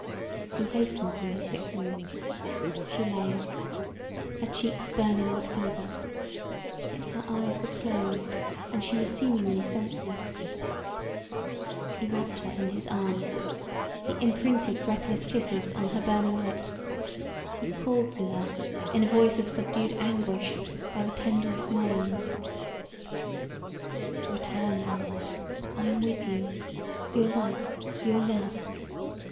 He hastened to her sick room; she lay, her cheeks burning with fever, yet her eyes were closed and she was seemingly senseless. He wrapt her in his arms; he imprinted breathless kisses on her burning lips; he called to her in a voice of subdued anguish by the tenderest names; "Return Elinor; I am with you; your life, your love.